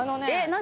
何？